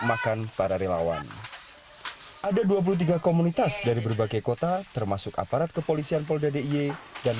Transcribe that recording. makan para relawan ada dua puluh tiga komunitas dari berbagai kota termasuk aparat kepolisian polda d i e dan